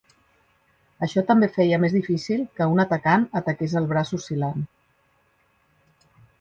Això també feia més difícil que un atacant ataqués el braç oscil·lant.